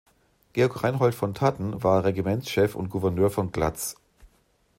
Georg Reinhold von Thadden war Regimentschef und Gouverneur von Glatz.